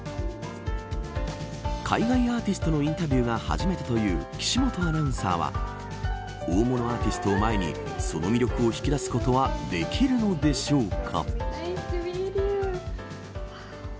海外アーティストのインタビューが初めてという岸本アナウンサーは大物アーティストを前にその魅力を引き出すことはできるのでしょうか。